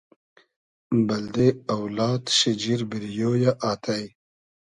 بئلدې اۆلاد شیجیر بیریۉ یۂ آتݷ